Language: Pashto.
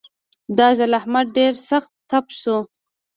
دا ځل احمد ډېر سخت تپ شو.